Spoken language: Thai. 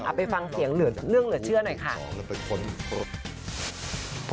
ไปฟังเสียงเรื่องเหลือเชื่อหน่อยค่ะ